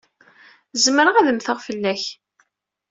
Zemreɣ ad mmteɣ fell-ak.